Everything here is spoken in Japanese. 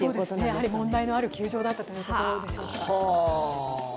やはり問題のあった球場だったということでしょうか。